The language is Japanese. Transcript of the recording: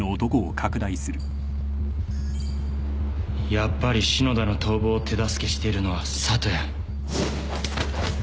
やっぱり篠田の逃亡を手助けしてるのは里谷。